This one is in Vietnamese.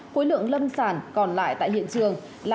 khối lượng lâm sản còn lại tại hiện trường là hai mươi chín